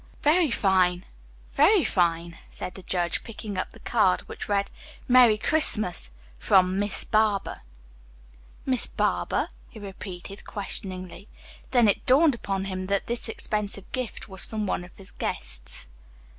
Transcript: "Very fine, very fine," said the judge, picking up the card which read, "Merry Christmas, from Miss Barber." "Miss Barber?" he repeated questioningly. Then it dawned upon him that this expensive gift was from one of his guests.